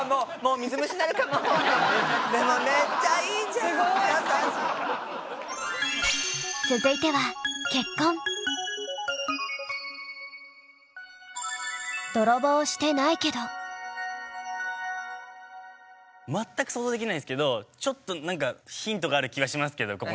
続いては全く想像できないですけどちょっとヒントがある気がしますけどここに。